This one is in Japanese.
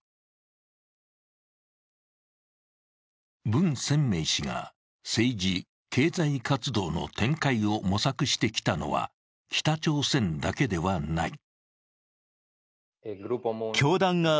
文鮮明氏が政治・経済活動の展開を模索してきたのは北朝鮮だけではない。